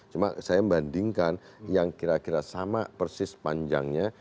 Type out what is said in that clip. cuma saya membandingkan yang kira kira sama persis panjangnya